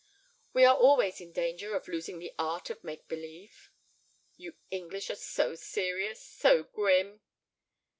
"We are always in danger of losing the art of make believe." "You English are so serious, so grim."